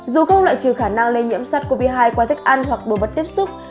dù không loại trừ khả năng lây nhiễm sars cov hai qua thức ăn hoặc đồ vật tiếp xúc